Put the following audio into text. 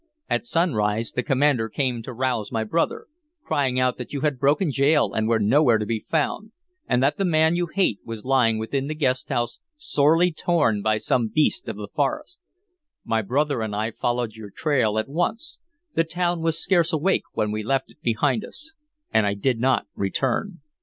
"At sunrise, the commander came to rouse my brother, crying out that you had broken gaol and were nowhere to be found, and that the man you hate was lying within the guest house, sorely torn by some beast of the forest. My brother and I followed your trail at once; the town was scarce awake when we left it behind us, and I did not return."